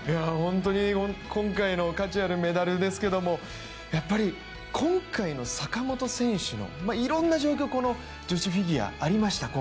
本当に今回の価値あるメダルですけどもやっぱり今回の坂本選手の、いろんな状況、ありました、女子フィギュア。